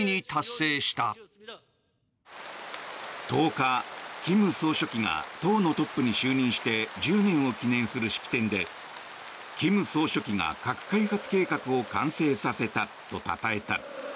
１０日、金総書記が党のトップに就任して１０年を記念する式典で金総書記が核開発計画を完成させたとたたえた。